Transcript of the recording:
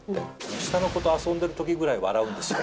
下の子と遊んでるときぐらい笑うんですよ。